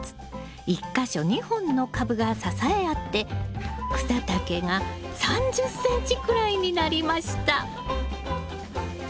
１か所２本の株が支え合って草丈が３０ｃｍくらいになりました。